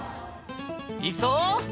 いくぞ。